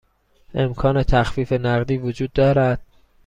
امکان تخفیف نقدی وجود دارد؟